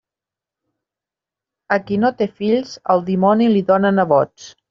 A qui no té fills, el dimoni li dóna nebots.